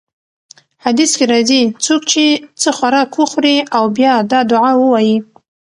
حديث کي راځي: څوک چې څه خوراک وخوري او بيا دا دعاء ووايي: